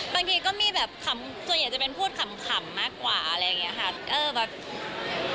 บางทีก็เป็นคำค่ำส่วนใหญ่ว่าจะพูดคำมากกว่าอะไรอย่างนี้ค่ะ